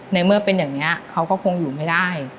ในเมื่อเป็นอย่างนี้เขาก็คงอยู่ไม่ได้